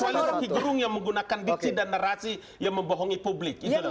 kecuali rocky gerung yang menggunakan diksi dan narasi yang membohongi publik